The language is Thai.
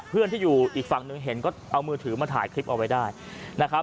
เพื่อนที่อยู่อีกฝั่งหนึ่งเห็นก็เอามือถือมาถ่ายคลิปเอาไว้ได้นะครับ